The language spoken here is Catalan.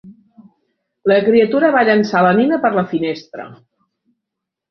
La criatura va llençar la nina per la finestra.